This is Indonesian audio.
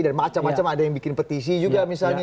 dan macam macam ada yang bikin petisi juga misalnya